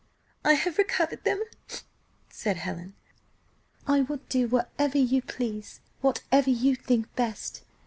"I have recovered them," said Helen; "I will do whatever you please whatever you think best."